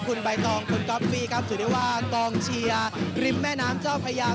ก็คุณบ๊ายตรองคุณกบฟรีก็ศีวิวเฬวะกองเชียริมแม่น้ำเจ้าพระยา